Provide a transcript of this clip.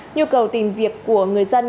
nhu cầu tìm việc của người dân